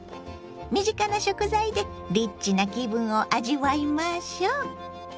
身近な食材でリッチな気分を味わいましょう。